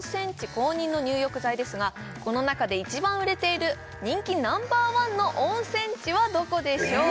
公認の入浴剤ですがこの中で一番売れている人気Ｎｏ．１の温泉地はどこでしょうか？